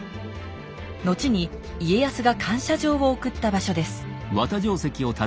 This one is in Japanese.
後に家康が感謝状を送った場所です